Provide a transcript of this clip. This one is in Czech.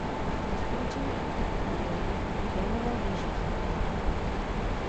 Po skončení aktivní kariéry trénoval v nižších soutěžích.